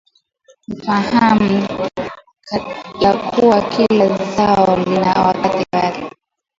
ufaham yakua kila zao lina wakati wake